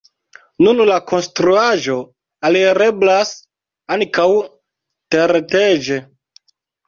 Nun la konstruaĵo alireblas ankaŭ tereteĝe.